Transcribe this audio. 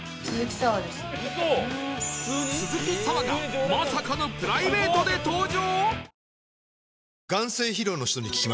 鈴木砂羽がまさかのプライベートで登場！？